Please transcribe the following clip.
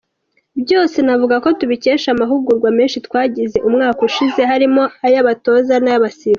Byose navuga ko tubikesha amahugurwa menshi twagize umwaka ushize harimo ay’abatoza n’abasifuzi.